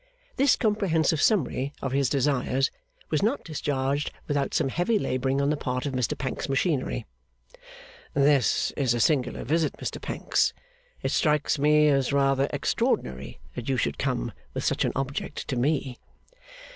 This comprehensive summary of his desires was not discharged without some heavy labouring on the part of Mr Pancks's machinery. 'This is a singular visit, Mr Pancks. It strikes me as rather extraordinary that you should come, with such an object, to me.